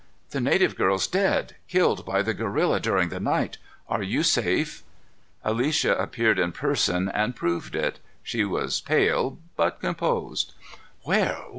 "The native girl's dead, killed by the gorilla during the night. Are you safe?" Alicia appeared in person and proved it. She was pale, but composed. "Where?